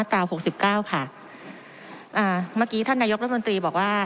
สตราว๖๙ค่ะอ่าเมื่อกี้ท่านนายกรัฐมนตรีบอกว่า